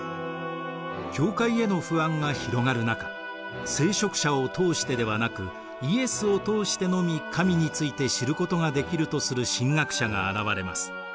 教会への不安が広がる中聖職者を通してではなくイエスを通してのみ神について知ることができるとする神学者が現れます。